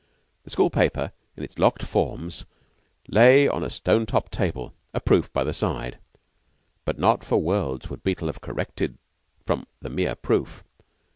The school paper in its locked formes lay on a stone topped table, a proof by the side; but not for worlds would Beetle have corrected from the mere proof.